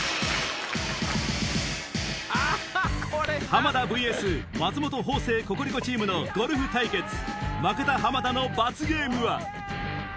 浜田ｖｓ松本・方正・ココリコチームのゴルフ対決負けた浜田の罰ゲームは？